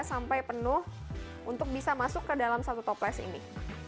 sampai penuh untuk bisa masuk ke dalam satu toples ini